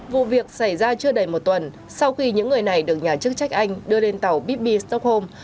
vụ việc xảy ra chưa đầy một tuần sau khi những người này được nhà chức trách anh đưa lên tàu bb stockholm